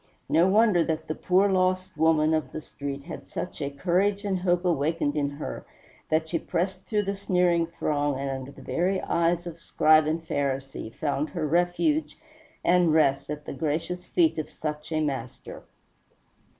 No wonder that the poor lost woman of the street had such a courage and hope awakened in her that she pressed through the sneering throng, and under the very eyes of Scribe and Pharisee found her refuge and rest at the gracious feet of such a Master.